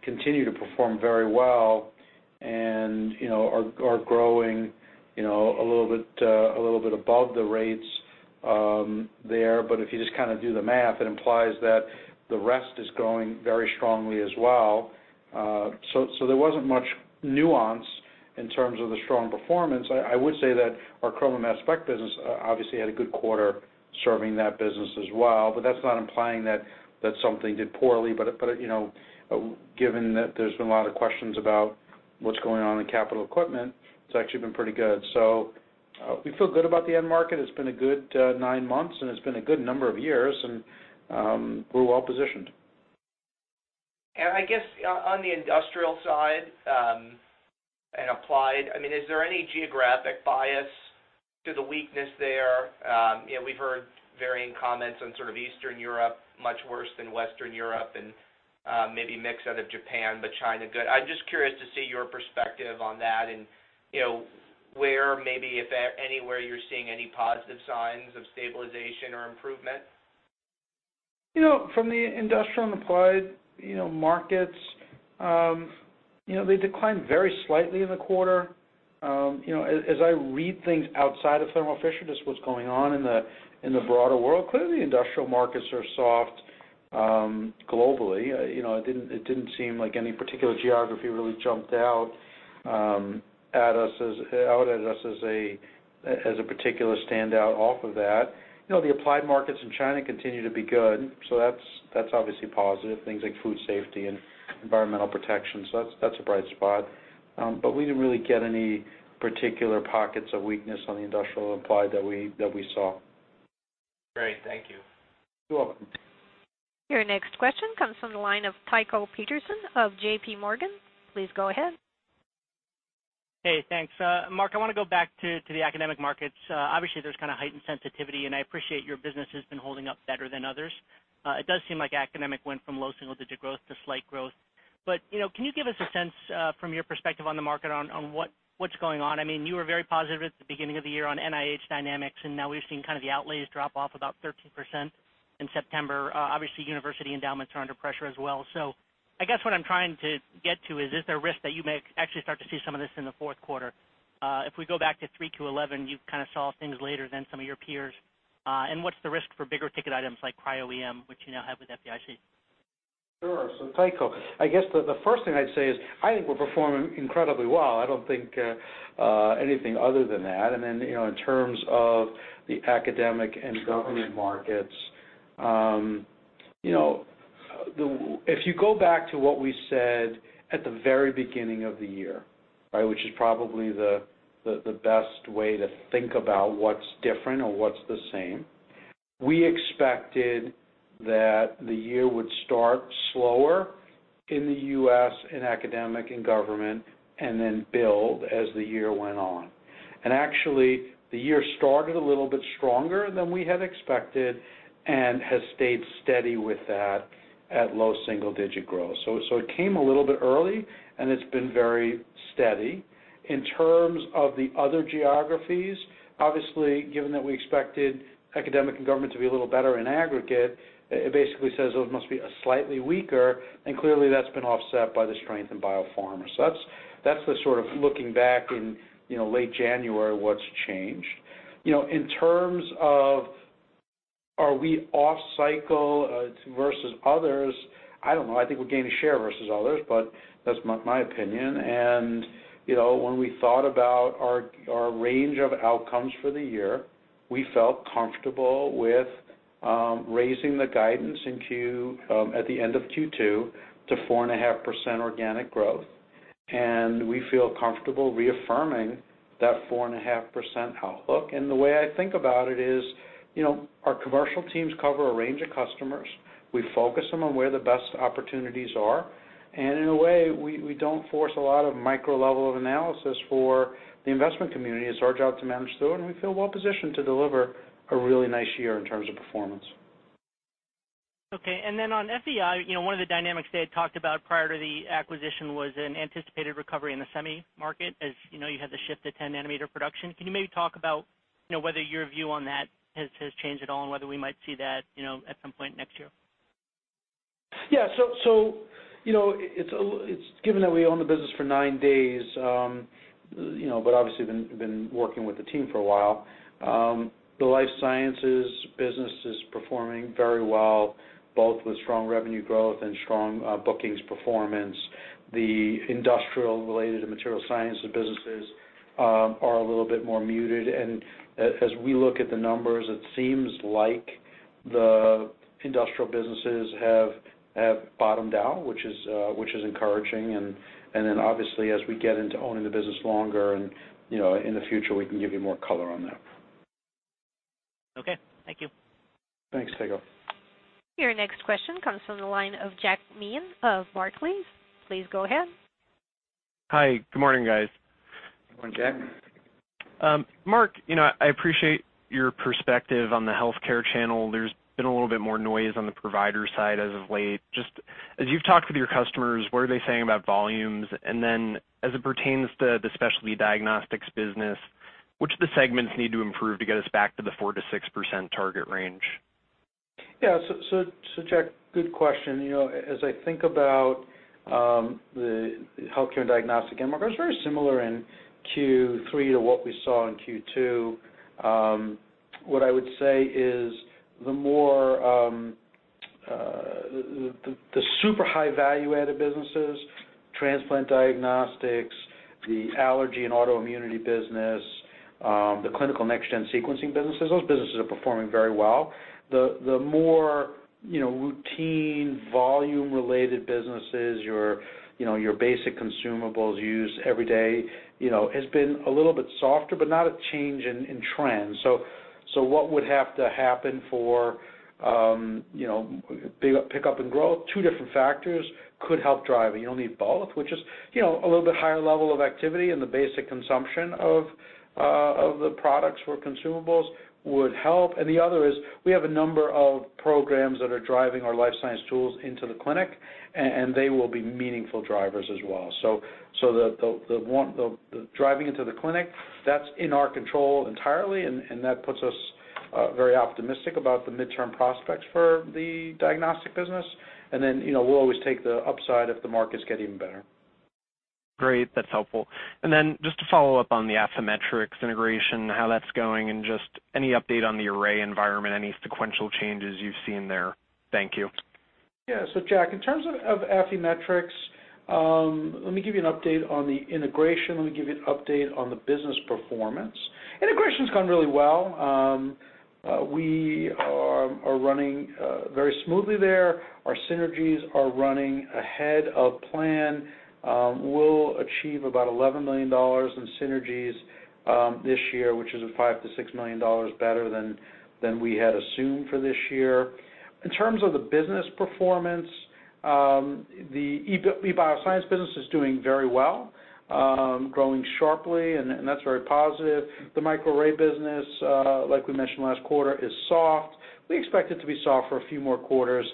continue to perform very well, and are growing a little bit above the rates there. If you just do the math, it implies that the rest is growing very strongly as well. There wasn't much nuance in terms of the strong performance. I would say that our chroma mass spec business obviously had a good quarter serving that business as well, but that's not implying that something did poorly. Given that there's been a lot of questions about what's going on in capital equipment, it's actually been pretty good. We feel good about the end market. It's been a good nine months, and it's been a good number of years, and we're well-positioned. I guess on the industrial side, and applied, is there any geographic bias to the weakness there? We've heard varying comments on sort of Eastern Europe much worse than Western Europe, and maybe mixed out of Japan, but China good. I'm just curious to see your perspective on that and where maybe, if anywhere, you're seeing any positive signs of stabilization or improvement. From the industrial and applied markets They declined very slightly in the quarter. As I read things outside of Thermo Fisher, just what's going on in the broader world, clearly industrial markets are soft globally. It didn't seem like any particular geography really jumped out at us as a particular standout off of that. The applied markets in China continue to be good, that's obviously positive. Things like food safety and environmental protection. That's a bright spot. We didn't really get any particular pockets of weakness on the industrial applied that we saw. Great. Thank you. You're welcome. Your next question comes from the line of Tycho Peterson of JP Morgan. Please go ahead. Hey, thanks. Marc, I want to go back to the academic markets. Obviously, there's kind of heightened sensitivity, and I appreciate your business has been holding up better than others. It does seem like academic went from low single-digit growth to slight growth. Can you give us a sense from your perspective on the market on what's going on? You were very positive at the beginning of the year on NIH dynamics, and now we've seen the outlays drop off about 13% in September. Obviously, university endowments are under pressure as well. I guess what I'm trying to get to is there a risk that you may actually start to see some of this in the fourth quarter? If we go back to 3Q11, you kind of saw things later than some of your peers. What's the risk for bigger-ticket items like cryo-EM, which you now have with FEI? Sure. Tycho, I guess the first thing I'd say is I think we're performing incredibly well. I don't think anything other than that. Then, in terms of the academic and government markets, if you go back to what we said at the very beginning of the year, which is probably the best way to think about what's different or what's the same, we expected that the year would start slower in the U.S. in academic and government, and then build as the year went on. Actually, the year started a little bit stronger than we had expected and has stayed steady with that at low double-digit growth. It came a little bit early, and it's been very steady. In terms of the other geographies, obviously, given that we expected academic and government to be a little better in aggregate, it basically says those must be slightly weaker, and clearly that's been offset by the strength in biopharma. That's the sort of looking back in late January, what's changed. In terms of are we off cycle versus others, I don't know. I think we're gaining share versus others, but that's my opinion. When we thought about our range of outcomes for the year, we felt comfortable with raising the guidance at the end of Q2 to 4.5% organic growth. We feel comfortable reaffirming that 4.5% outlook. The way I think about it is, our commercial teams cover a range of customers. We focus them on where the best opportunities are. In a way, we don't force a lot of micro-level of analysis for the investment community. It's our job to manage through it. We feel well-positioned to deliver a really nice year in terms of performance. Okay. On FEI, one of the dynamics they had talked about prior to the acquisition was an anticipated recovery in the semi market as you had the shift to 10-nanometer production. Can you maybe talk about whether your view on that has changed at all and whether we might see that at some point next year? Yeah. Given that we own the business for nine days, obviously been working with the team for a while, the life sciences business is performing very well, both with strong revenue growth and strong bookings performance. The industrial-related material sciences businesses are a little bit more muted. As we look at the numbers, it seems like the industrial businesses have bottomed out, which is encouraging. Obviously, as we get into owning the business longer and in the future, we can give you more color on that. Okay. Thank you. Thanks, Tycho. Your next question comes from the line of Jack Meehan of Barclays. Please go ahead. Hi. Good morning, guys. Morning, Jack. Marc, I appreciate your perspective on the healthcare channel. There's been a little bit more noise on the provider side as of late. Just as you've talked with your customers, what are they saying about volumes? As it pertains to the Specialty Diagnostics business, which of the segments need to improve to get us back to the 4%-6% target range? Jack, good question. As I think about the healthcare and diagnostic end markets, very similar in Q3 to what we saw in Q2. What I would say is the super high value-added businesses, transplant diagnostics, the allergy and autoimmunity business, the clinical next-gen sequencing businesses, those businesses are performing very well. The more routine volume-related businesses, your basic consumables used every day, has been a little bit softer, not a change in trend. What would have to happen for pick up in growth? Two different factors could help drive it. You'll need both, which is a little bit higher level of activity in the basic consumption of the products for consumables would help. The other is we have a number of programs that are driving our life science tools into the clinic, and they will be meaningful drivers as well. The driving into the clinic, that's in our control entirely, and that puts us very optimistic about the midterm prospects for the diagnostic business, we'll always take the upside if the markets get even better. Great. That's helpful. Just to follow up on the Affymetrix integration, how that's going, and just any update on the array environment, any sequential changes you've seen there? Thank you. Jack, in terms of Affymetrix, let me give you an update on the integration. Let me give you an update on the business performance. Integration's gone really well. We are running very smoothly there. Our synergies are running ahead of plan. We'll achieve about $11 million in synergies this year, which is $5 million to $6 million better than we had assumed for this year. In terms of the business performance, the eBioscience business is doing very well, growing sharply, and that's very positive. The microarray business, like we mentioned last quarter, is soft. We expect it to be soft for a few more quarters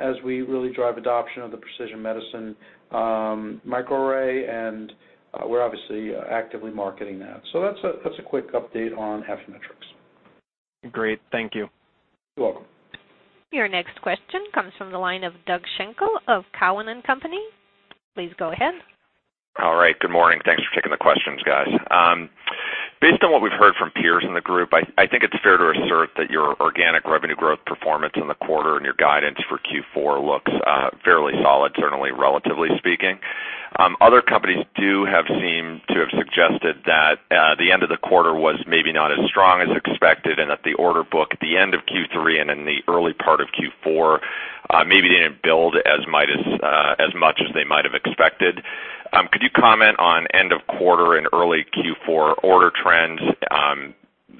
as we really drive adoption of the precision medicine microarray, and we're obviously actively marketing that. That's a quick update on Affymetrix. Great. Thank you. You're welcome. Your next question comes from the line of Doug Schenkel of Cowen and Company. Please go ahead. All right. Good morning. Thanks for taking the questions, guys. Based on what we've heard from peers in the group, I think it's fair to assert that your organic revenue growth performance in the quarter and your guidance for Q4 looks fairly solid, certainly relatively speaking. Other companies do have seemed to have suggested that the end of the quarter was maybe not as strong as expected, and that the order book at the end of Q3 and in the early part of Q4 maybe didn't build as much as they might have expected. Could you comment on end of quarter and early Q4 order trends?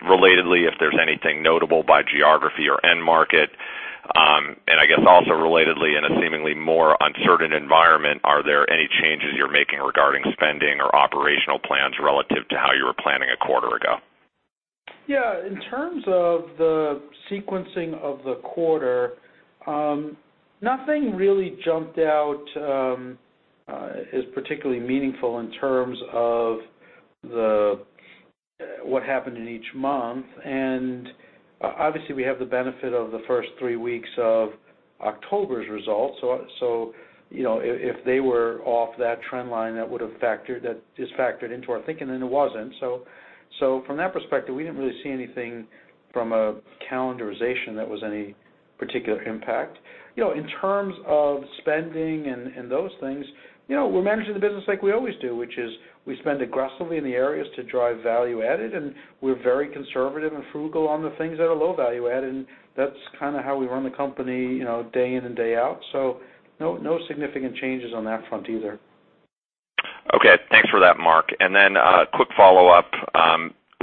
Relatedly, if there's anything notable by geography or end market, I guess also relatedly, in a seemingly more uncertain environment, are there any changes you're making regarding spending or operational plans relative to how you were planning a quarter ago? Yeah. In terms of the sequencing of the quarter, nothing really jumped out as particularly meaningful in terms of what happened in each month, obviously we have the benefit of the first three weeks of October's results. If they were off that trend line, that is factored into our thinking, it wasn't. From that perspective, we didn't really see anything from a calendarization that was any particular impact. In terms of spending and those things, we're managing the business like we always do, which is we spend aggressively in the areas to drive value added, we're very conservative and frugal on the things that are low value add, that's how we run the company day in and day out. No significant changes on that front either. Okay. Thanks for that, Marc. Then a quick follow-up.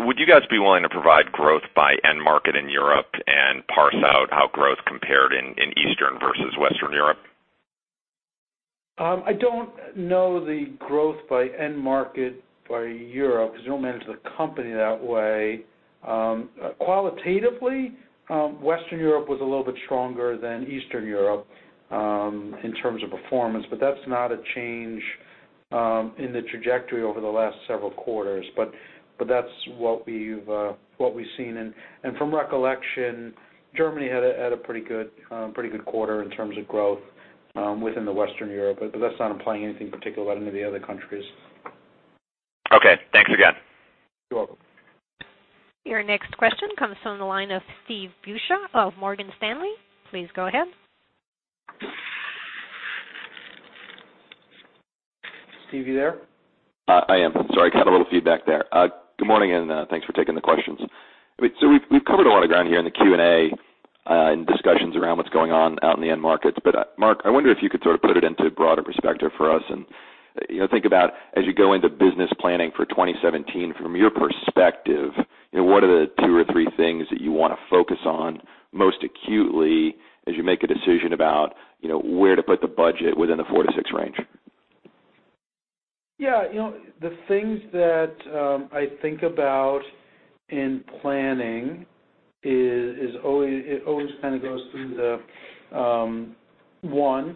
Would you guys be willing to provide growth by end market in Europe and parse out how growth compared in Eastern versus Western Europe? I don't know the growth by end market by Europe, because we don't manage the company that way. Qualitatively, Western Europe was a little bit stronger than Eastern Europe, in terms of performance, but that's not a change in the trajectory over the last several quarters. That's what we've seen. From recollection, Germany had a pretty good quarter in terms of growth within the Western Europe, but that's not implying anything particular about any of the other countries. Okay, thanks again. You're welcome. Your next question comes from the line of Steve Beuchaw of Morgan Stanley. Please go ahead. Steve, you there? I am. Sorry, got a little feedback there. Good morning, and thanks for taking the questions. We've covered a lot of ground here in the Q&A, and discussions around what's going on out in the end markets. Marc, I wonder if you could put it into broader perspective for us and think about as you go into business planning for 2017, from your perspective, what are the two or three things that you want to focus on most acutely as you make a decision about where to put the budget within the four to six range? The things that I think about in planning, it always goes through the, one,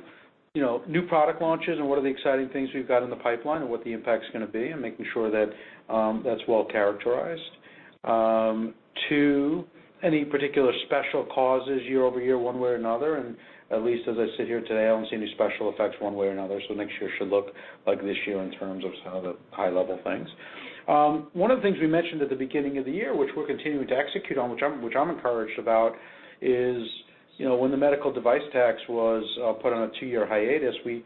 new product launches and what are the exciting things we've got in the pipeline and what the impact's going to be and making sure that's well-characterized. Two, any particular special causes year-over-year, one way or another, and at least as I sit here today, I don't see any special effects one way or another. Next year should look like this year in terms of some of the high-level things. One of the things we mentioned at the beginning of the year, which we're continuing to execute on, which I'm encouraged about, is when the medical device tax was put on a two-year hiatus, we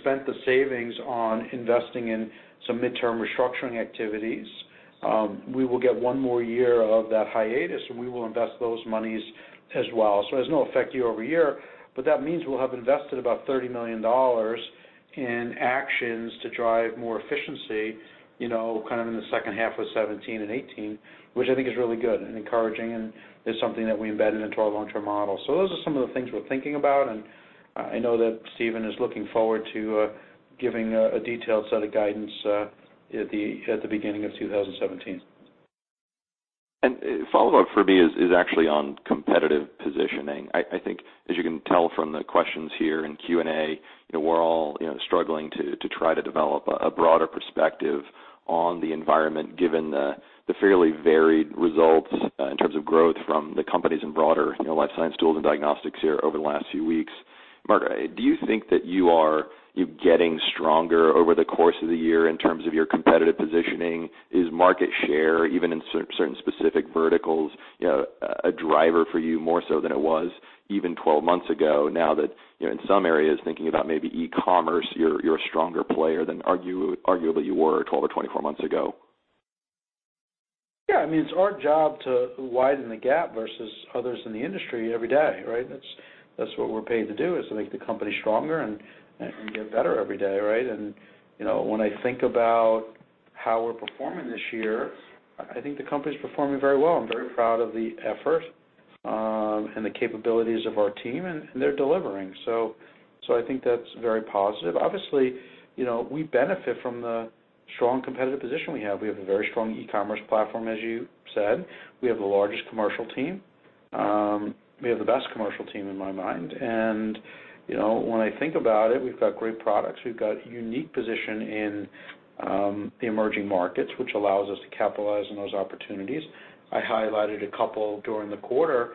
spent the savings on investing in some midterm restructuring activities. We will get one more year of that hiatus, and we will invest those monies as well. It has no effect year-over-year, but that means we'll have invested about $30 million in actions to drive more efficiency, in the second half of 2017 and 2018, which I think is really good and encouraging, and is something that we embedded into our long-term model. Those are some of the things we're thinking about, and I know that Stephen is looking forward to giving a detailed set of guidance at the beginning of 2017. Follow-up for me is actually on competitive positioning. I think as you can tell from the questions here in Q&A, we're all struggling to try to develop a broader perspective on the environment, given the fairly varied results in terms of growth from the companies in broader life science tools and diagnostics here over the last few weeks. Marc, do you think that you are getting stronger over the course of the year in terms of your competitive positioning? Is market share, even in certain specific verticals, a driver for you more so than it was even 12 months ago, now that in some areas, thinking about maybe e-commerce, you're a stronger player than arguably you were 12 or 24 months ago? Yeah. It's our job to widen the gap versus others in the industry every day, right? That's what we're paid to do, is to make the company stronger and get better every day, right? When I think about how we're performing this year, I think the company's performing very well. I'm very proud of the effort and the capabilities of our team, and they're delivering. I think that's very positive. Obviously, we benefit from the strong competitive position we have. We have a very strong e-commerce platform, as you said. We have the largest commercial team. We have the best commercial team, in my mind. When I think about it, we've got great products. We've got a unique position in the emerging markets, which allows us to capitalize on those opportunities. I highlighted a couple during the quarter,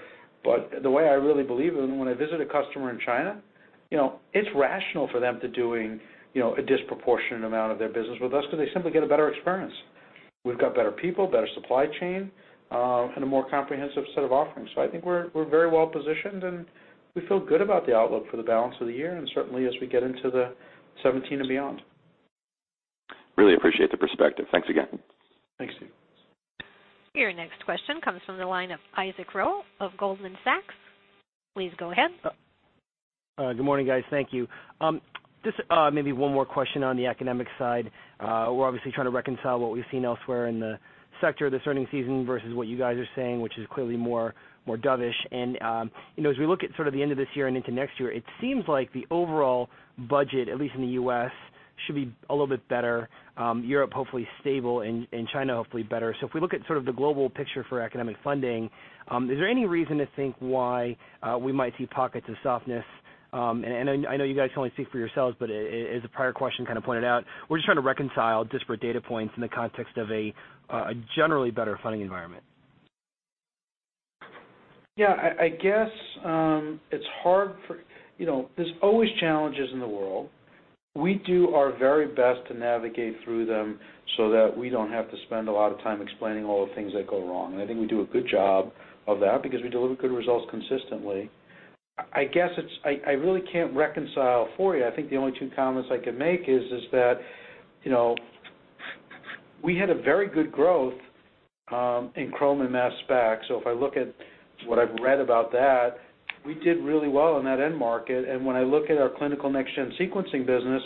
the way I really believe it, when I visit a customer in China, it's rational for them to doing a disproportionate amount of their business with us because they simply get a better experience. We've got better people, better supply chain, and a more comprehensive set of offerings. I think we're very well positioned, and we feel good about the outlook for the balance of the year, and certainly as we get into the 2017 and beyond. Really appreciate the perspective. Thanks again. Thanks, Steve. Your next question comes from the line of Isaac Ro of Goldman Sachs. Please go ahead. Good morning, guys. Thank you. Just maybe one more question on the academic side. We're obviously trying to reconcile what we've seen elsewhere in the sector this earnings season versus what you guys are saying, which is clearly more dovish. As we look at the end of this year and into next year, it seems like the overall budget, at least in the U.S., should be a little bit better, Europe hopefully stable, and China hopefully better. If we look at the global picture for academic funding, is there any reason to think why we might see pockets of softness? I know you guys can only speak for yourselves, but as the prior question pointed out, we're just trying to reconcile disparate data points in the context of a generally better funding environment. Yeah, I guess there's always challenges in the world. We do our very best to navigate through them so that we don't have to spend a lot of time explaining all the things that go wrong. I think we do a good job of that because we deliver good results consistently. I really can't reconcile for you. I think the only two comments I could make is that we had a very good growth in chromatography and mass spec. If I look at what I've read about that, we did really well in that end market. When I look at our clinical next-gen sequencing business,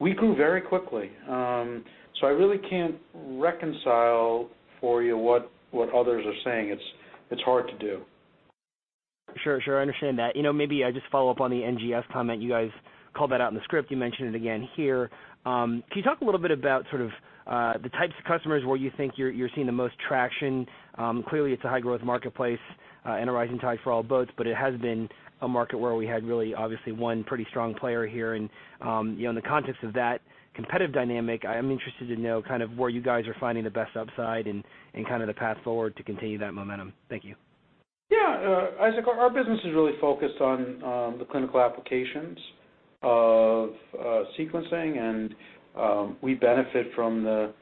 we grew very quickly. I really can't reconcile for you what others are saying. It's hard to do. Sure, sure. I understand that. Maybe I just follow up on the NGS comment. You guys called that out in the script. You mentioned it again here. Can you talk a little bit about the types of customers where you think you're seeing the most traction? Clearly, it's a high-growth marketplace and a rising tide for all boats, but it has been a market where we had really, obviously, one pretty strong player here. In the context of that competitive dynamic, I'm interested to know where you guys are finding the best upside and the path forward to continue that momentum. Thank you. Yeah. Isaac, our business is really focused on the clinical applications of sequencing, and we benefit from the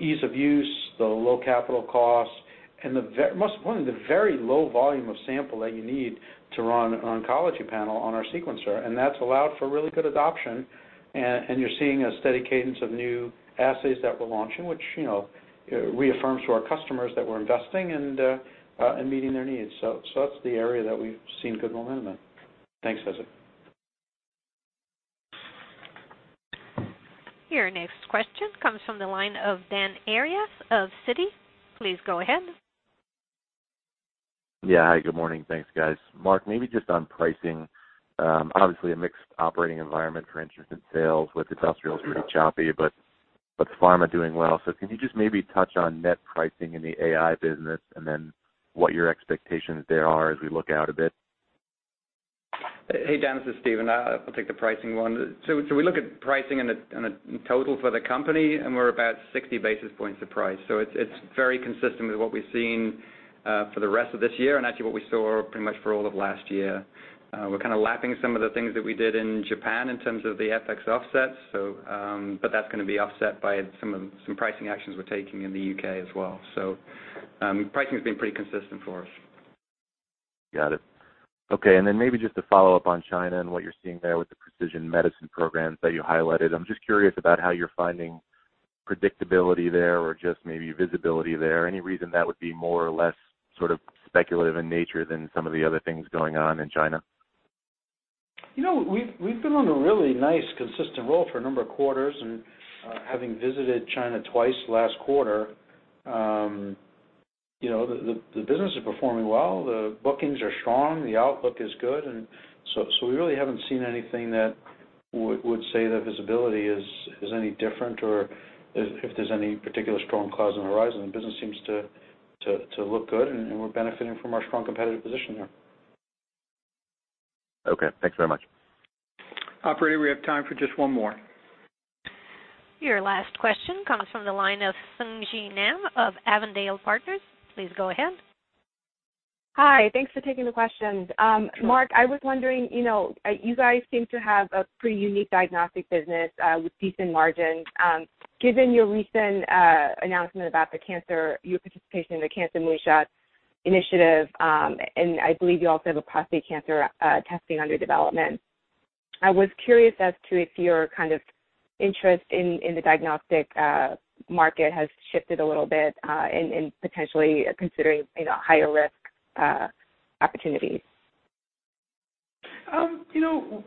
ease of use, the low capital costs, and most importantly, the very low volume of sample that you need to run an oncology panel on our sequencer. That's allowed for really good adoption. You're seeing a steady cadence of new assays that we're launching, which reaffirms to our customers that we're investing and meeting their needs. That's the area that we've seen good momentum. Thanks, Isaac. Your next question comes from the line of Dan Arias of Citi. Please go ahead. Yeah. Hi, good morning. Thanks, guys. Marc, maybe just on pricing, obviously a mixed operating environment for instruments and sales with industrials really choppy, but pharma doing well. Can you just maybe touch on net pricing in the AI business and then what your expectations there are as we look out a bit? Hey, Dan, this is Stephen. I'll take the pricing one. We look at pricing in a total for the company, and we're about 60 basis points to price. It's very consistent with what we've seen for the rest of this year and actually what we saw pretty much for all of last year. We're kind of lapping some of the things that we did in Japan in terms of the FX offsets, but that's going to be offset by some pricing actions we're taking in the U.K. as well. Pricing has been pretty consistent for us. Got it. Maybe just to follow up on China and what you're seeing there with the precision medicine programs that you highlighted. I'm just curious about how you're finding predictability there or just maybe visibility there. Any reason that would be more or less speculative in nature than some of the other things going on in China? We've been on a really nice, consistent roll for a number of quarters, and having visited China twice last quarter, the business is performing well. The bookings are strong, the outlook is good. We really haven't seen anything that would say that visibility is any different or if there's any particular strong clouds on the horizon. The business seems to look good, and we're benefiting from our strong competitive position there. Thanks very much. Operator, we have time for just one more. Your last question comes from the line of Sung Ji Nam of Avondale Partners. Please go ahead. Hi. Thanks for taking the questions. Marc, I was wondering, you guys seem to have a pretty unique diagnostic business with decent margins. Given your recent announcement about your participation in the Cancer Moonshot initiative, and I believe you also have a prostate cancer testing under development, I was curious as to if your kind of interest in the diagnostic market has shifted a little bit in potentially considering higher risk opportunities.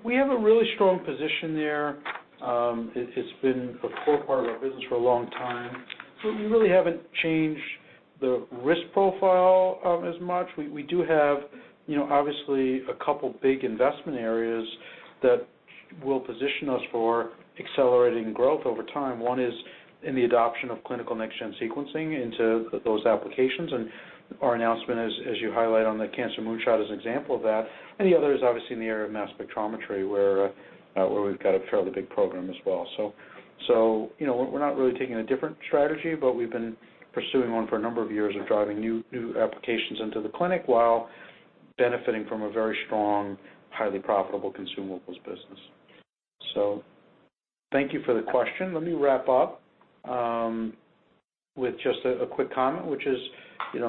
We have a really strong position there. It's been the core part of our business for a long time. We really haven't changed the risk profile as much. We do have, obviously, a couple big investment areas that will position us for accelerating growth over time. One is in the adoption of clinical next-gen sequencing into those applications, and our announcement, as you highlight on the Cancer Moonshot, is an example of that. The other is obviously in the area of mass spectrometry, where we've got a fairly big program as well. We're not really taking a different strategy, but we've been pursuing one for a number of years of driving new applications into the clinic while benefiting from a very strong, highly profitable consumables business. Thank you for the question. Let me wrap up with just a quick comment, which is, as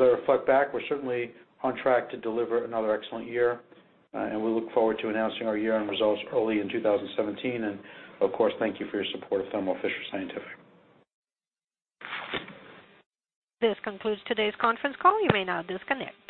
I reflect back, we're certainly on track to deliver another excellent year, and we look forward to announcing our year-end results early in 2017. Of course, thank you for your support of Thermo Fisher Scientific. This concludes today's conference call. You may now disconnect.